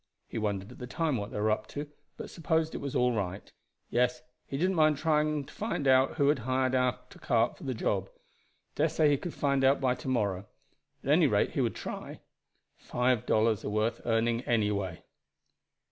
He wondered at the time what they were up to, but supposed it was all right. Yes, he didn't mind trying to find out who had hired out a cart for the job. Dessay he could find out by to morrow at any rate he would try. Five dollars are worth earning anyway.